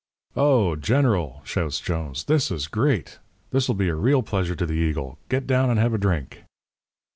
"'Oh, General,' shouts Jones, 'this is great. This will be a real pleasure to the eagle. Get down and have a drink.'